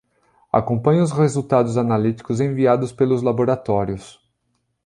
Acompanha os resultados analíticos enviados pelos laboratórios.